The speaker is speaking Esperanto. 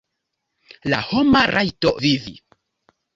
La homa rajto vivi.